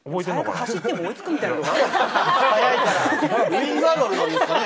最悪、走っても追いつくみたいなとこあるんじゃないですか？